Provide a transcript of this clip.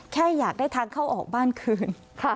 แค่อยากได้ทางเข้าออกบ้านคืน